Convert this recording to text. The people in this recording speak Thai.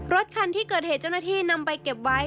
รถคันที่เกิดเหตุเจ้าหน้าที่นำไปเก็บไว้